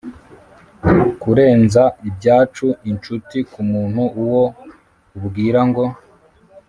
kurenza ibyacu, inshuti kumuntu, uwo ubwira ngo,